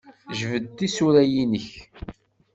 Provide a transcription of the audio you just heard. Jbed-d tisura-nnek.